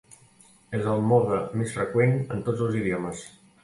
És el mode més freqüent en tots els idiomes.